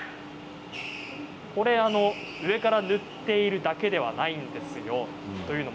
これは上から塗っているわけではないんですよ。